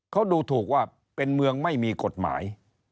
เขาดูถูกว่าเป็นเมืองไม่มีกฎหมาย